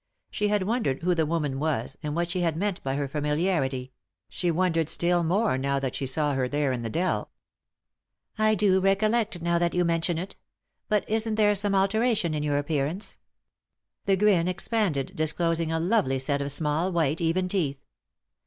She had wondered who the woman was, and what she had meant by her familiarity ; she wondered still more now that she saw her there in the dell. " 1 do recollect now that you mention it ; but isn't there some alteration in your appearance ?" 98 3i 9 iii^d by Google THE INTERRUPTED KISS The grin expanded, disclosing a lovely set of small white, even teeth.